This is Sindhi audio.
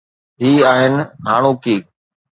هي آهن هاڻوڪي.